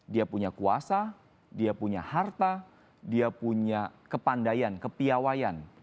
dia punya kuasa dia punya harta dia punya kepandaian kepiawayan